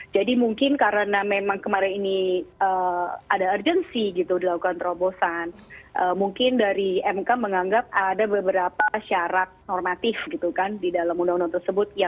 jadi mungkin karena memang kemarin ini ada urgency gitu dilakukan terobosan mungkin dari mk menganggap ada beberapa syarat normatif gitu kan di dalam undang undang tersebut